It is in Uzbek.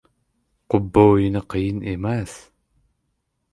Qubba o‘yini qiyin emas.